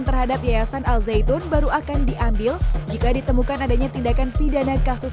terhadap yayasan al zaitun baru akan diambil jika ditemukan adanya tindakan pidana kasus